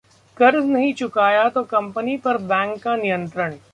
कर्ज नहीं चुकाया तो कंपनी पर बैंक का नियंत्रण